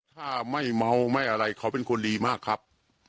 ถ้าไม่เมาไม่อะไรเขาเป็นคนดีมากครับ